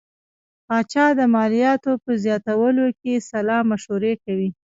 پاچا به د مالیاتو په زیاتولو کې سلا مشورې کوي.